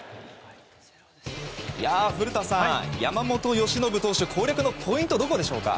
古田さん、山本由伸投手攻略のポイントはどこでしょうか？